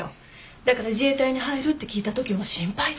だから自衛隊に入るって聞いたときも心配だったの。